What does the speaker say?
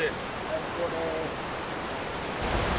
最高です。